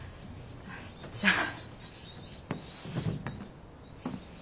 じゃあ。